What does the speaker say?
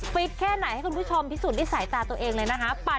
แค่ไหนให้คุณผู้ชมพิสูจน์ด้วยสายตาตัวเองเลยนะคะ